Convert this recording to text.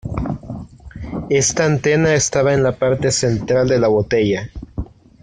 Esta antena estaba en la parte central de la botella.